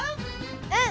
うん！